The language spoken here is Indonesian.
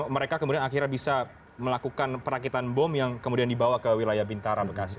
mereka kemudian akhirnya bisa melakukan perakitan bom yang kemudian dibawa ke wilayah bintara bekasi